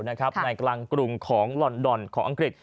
กลางกรุงของลอนดอนของอังกฤษ